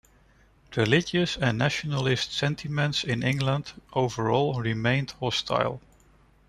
Religious and nationalist sentiments in England overall remained hostile.